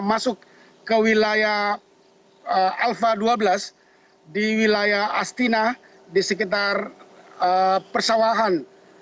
masuk ke wilayah alfa dua belas di wilayah astina di sekitar persawahan